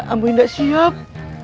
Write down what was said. amri sudah siap